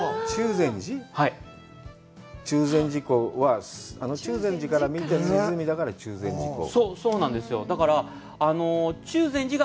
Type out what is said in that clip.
中禅寺湖は、中禅寺から見えた湖だから中禅寺湖？